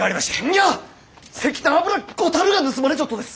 いや石炭油５たるが盗まれちょっとです。